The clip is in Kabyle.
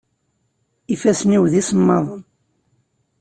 Ifassen-iw d isemmaḍen.